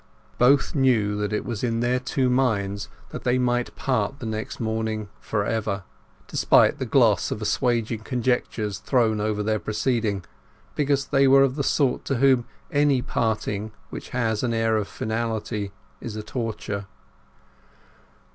Both knew that it was in their two minds that they might part the next morning for ever, despite the gloss of assuaging conjectures thrown over their proceeding because they were of the sort to whom any parting which has an air of finality is a torture.